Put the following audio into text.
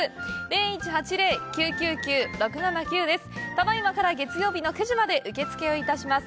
ただいまから月曜日の９時まで受け付けをいたします。